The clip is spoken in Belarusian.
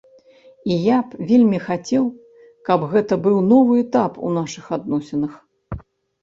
І я б вельмі хацеў, каб гэта быў новы этап у нашых адносінах.